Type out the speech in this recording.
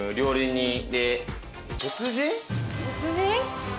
鉄人？